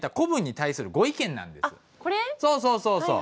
そうそうそうそう。